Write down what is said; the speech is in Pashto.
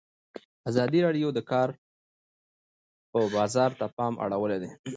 ازادي راډیو د د کار بازار ته پام اړولی.